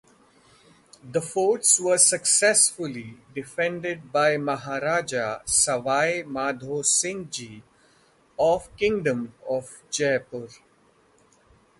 The forts were successfully defended by Maharaja Sawai Madho Singhji of Kingdom of Jaipur.